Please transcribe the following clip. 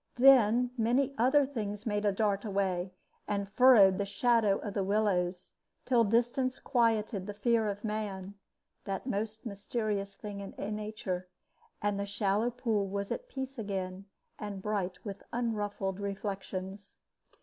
Then many other things made a dart away, and furrowed the shadow of the willows, till distance quieted the fear of man that most mysterious thing in nature and the shallow pool was at peace again, and bright with unruffled reflections.